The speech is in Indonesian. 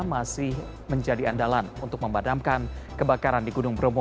masih menjadi andalan untuk memadamkan kebakaran di gunung bromo